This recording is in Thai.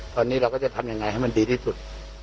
ตอนนี้เราก็จะทำยังไงให้มันดีที่สุด